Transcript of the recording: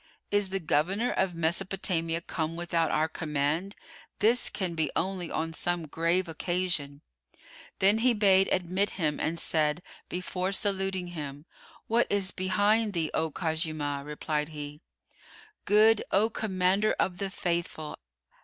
is the Governor of Mesopotamia come without our command? This can be only on some grave occasion." Then he bade admit him and said, before saluting him, "What is behind thee, O Khuzaymah?" Replied he, "Good, O Commander of the Faithful."